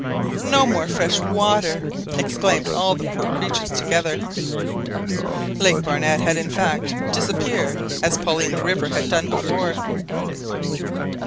"No more fresh water!" exclaimed all the poor creatures together. Lake Barnett had in fact disappeared, as Paulina River had done before.